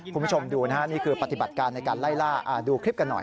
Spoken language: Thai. คุณผู้ชมดูนะฮะนี่คือปฏิบัติการในการไล่ล่าดูคลิปกันหน่อย